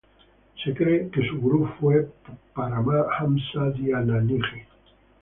Se cree que su gurú fue Parama-Hamsa Dhiana-Nidhi.